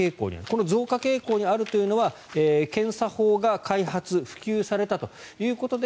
この増加傾向にあるというのは検査法が開発・普及されたということで